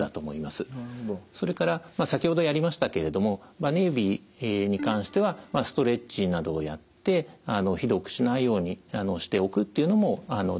それから先ほどやりましたけれどもばね指に関してはストレッチなどをやってひどくしないようにしておくっていうのも大事だと思います。